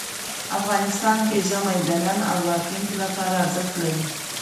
افغانستان کې ژمی د نن او راتلونکي لپاره ارزښت لري.